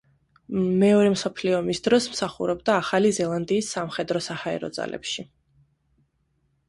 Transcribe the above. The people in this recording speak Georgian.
მეორე მსოფლიო ომის დროს მსახურობდა ახალი ზელანდიის სამხედრო-საჰაერო ძალებში.